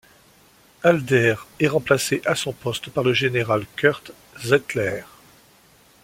Halder est remplacé à son poste par le général Kurt Zeitzler.